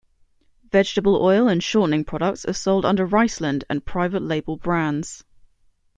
Vegetable oil and shortening products are sold under Riceland and private label brands.